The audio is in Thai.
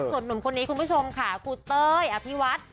ส่วนหนุ่มคนนี้คุณผู้ชมค่ะครูเต้ยอภิวัฒน์